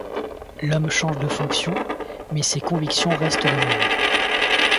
L'homme change de fonction, mais ses convictions restent les mêmes.